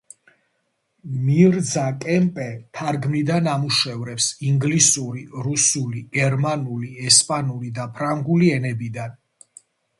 მირძა კემპე თარგმნიდა ნამუშევრებს ინგლისური, რუსული, გერმანული, ესპანური და ფრანგული ენებიდან.